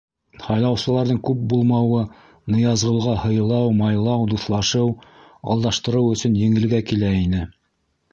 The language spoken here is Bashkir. Һайлаусыларҙың күп булмауы Ныязғолға һыйлау, майлау, дуҫлашыу, алдаштырыу өсөн еңелгә килә ине.